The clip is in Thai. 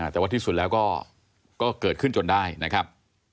แต่ว่าที่สุดแล้วก็เกิดขึ้นจนได้นะครับ